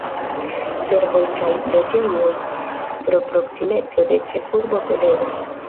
Servoj kaj loĝejoj pro proksimeco de ĉefurbo Toledo.